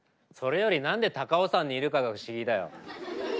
それより何で高尾山にいるかが不思議だよ。